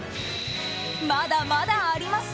まだまだあります。